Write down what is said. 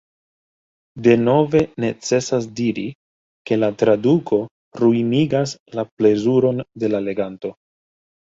Denove necesas diri, ke la traduko ruinigas la plezuron de la leganto.